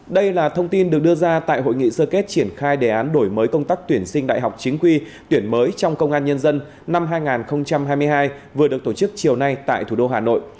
đây là thông tin được đưa ra tại hội nghị sơ kết triển khai đề án đổi mới công tác tuyển sinh đại học chính quy tuyển mới trong công an nhân dân năm hai nghìn hai mươi hai vừa được tổ chức chiều nay tại thủ đô hà nội